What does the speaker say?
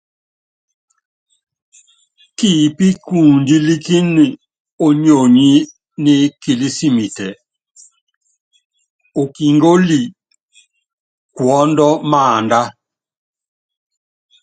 Kipíkundílíkíni ónyonyi nikilísimitɛ, ukíngóli kuɔ́ndɔ maánda.